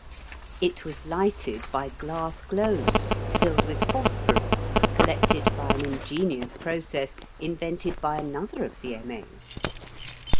It was lighted by glass globes filled with phosphorus collected by an ingenious process invented by another of the M.A.'s.